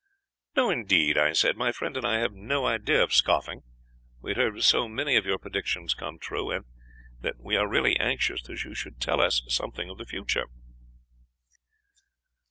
"'No indeed,' I said. 'My friend and I have no idea of scoffing. We have heard of so many of your predictions coming true, that we are really anxious that you should tell us something of the future.'